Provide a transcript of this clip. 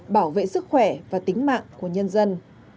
bảo vệ sức khỏe và tính mạng của nhân dân